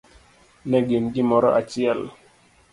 Ne gin gimoro achiel